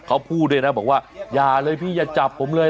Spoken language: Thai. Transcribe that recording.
เขาพูดด้วยนะบอกว่าอย่าเลยพี่อย่าจับผมเลย